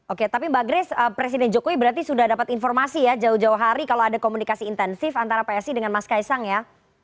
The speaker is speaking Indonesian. oke tapi mbak grace presiden jokowi berarti sudah dapat informasi ya jauh jauh hari kalau ada komunikasi intensif antara psi dengan mas kaisang ya